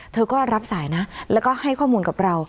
เธอก็รับสายนะแล้วก็ให้ข้อมูลกับเรา